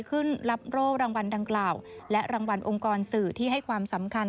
ขึ้นรับโรครางวัลดังกล่าวและรางวัลองค์กรสื่อที่ให้ความสำคัญ